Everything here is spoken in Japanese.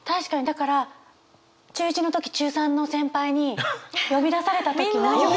だから中１の時中３の先輩に呼び出された時も。